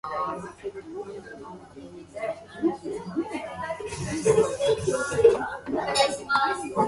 He would eventually become the mayor of Piacenza.